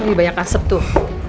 ih banyak asap tuh